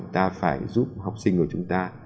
ta phải giúp học sinh của chúng ta